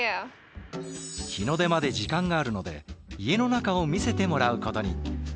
日の出まで時間があるので家の中を見せてもらうことに。